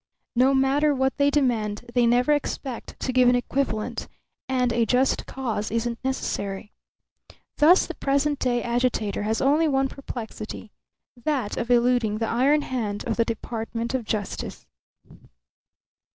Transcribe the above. No matter what they demand they never expect to give an equivalent; and a just cause isn't necessary. Thus the present day agitator has only one perplexity that of eluding the iron hand of the Department of Justice.